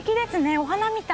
お花みたい。